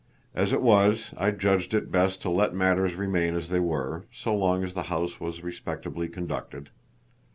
As it was, I judged it best to let matters remain as they were, so long as the house was respectably conducted."